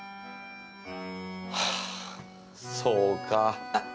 はぁそうか。